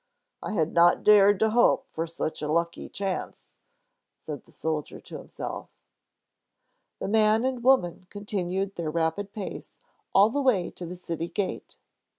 I had not dared to hope for such a lucky chance," said the soldier to himself. The man and woman continued their rapid pace all the way to the city gate.